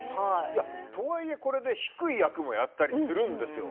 とはいえこれで低い役もやったりするんですよ。